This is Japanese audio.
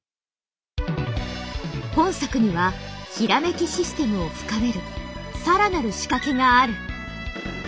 本作には閃きシステムを深める更なる仕掛けがある。